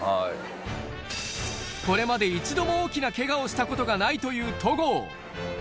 これまで一度も大きなケガをしたことがないという戸郷